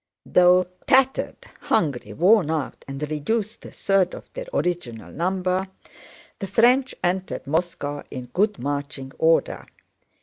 Though tattered, hungry, worn out, and reduced to a third of their original number, the French entered Moscow in good marching order.